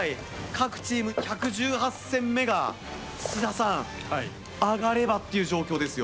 各チーム１１８戦目が土田さんアガればっていう状況ですよ。